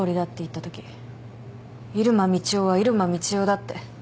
入間みちおは入間みちおだって。